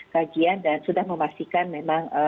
kajian dan sudah memastikan memang